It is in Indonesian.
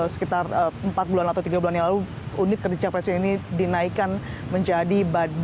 sekitar empat bulan atau tiga bulan yang lalu unit kerja presiden ini dinaikkan menjadi